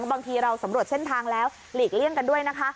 บางทีเราสำรวจเส้นทางแล้วหลีกเลี่ยงกันด้วยนะคะ